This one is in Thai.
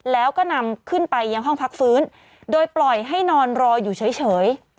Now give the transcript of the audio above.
แล้วก็นำขึ้นไปยังห้องพักฟื้นโดยปล่อยให้นอนรออยู่เฉย